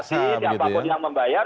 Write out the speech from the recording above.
siapapun yang membayar